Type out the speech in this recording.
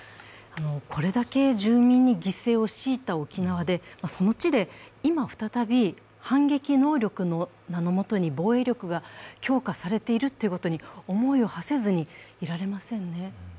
これだけ住民に犠牲を強いた沖縄でその地で今再び反撃能力の名の下に防衛力が強化されていることに思いをはせずにいられませんね。